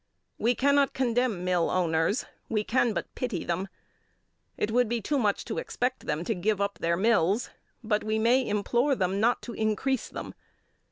We cannot condemn mill owners, we can but pity them. It would be too much to expect them to give up their mills, but we may implore them not to increase them.